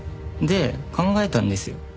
で考えたんですよ。